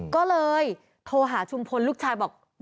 ก็เลยโทรหาชุมพลลูกชายบอก